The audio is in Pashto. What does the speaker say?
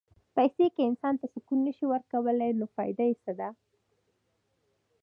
پېسې که انسان ته سکون نه شي ورکولی، نو فایده یې څه ده؟